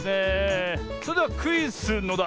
それでは「クイズのだ」